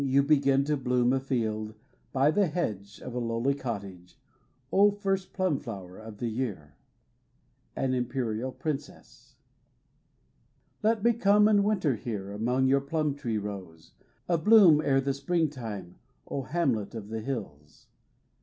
You begin to bloom Afield — by the hedge Of a lowly cottage, O first plum flower of the year ! An imperial prinoesB Let me come And winter here Among your plum tree rows Abloom ere the springtime, O hamlet of the hills.